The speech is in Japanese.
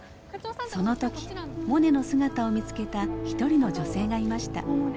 その時モネの姿を見つけた一人の女性がいました。